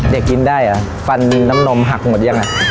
เด็กกินได้เหรอฟันน้ำนมหักหมดยังไง